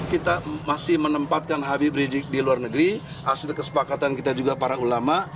kita masih menempatkan habib rizik di luar negeri hasil kesepakatan kita juga para ulama